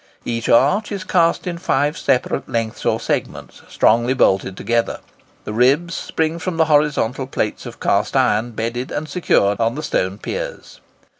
Each arch is cast in five separate lengths or segments, strongly bolted together. The ribs spring from horizontal plates of cast iron, bedded and secured on the stone piers.